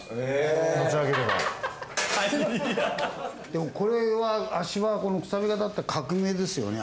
でもこれは足場このくさび型って革命ですよね？